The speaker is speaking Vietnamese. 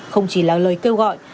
không chỉ là lời kêu gọi